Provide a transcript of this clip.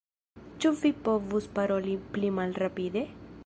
Ĉu vi povus paroli pli malrapide?